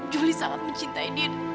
juli sangat mencintai dia